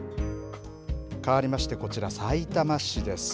かわりましてこちら、さいたま市です。